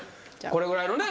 これぐらいのね。